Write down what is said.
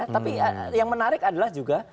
tapi yang menarik adalah juga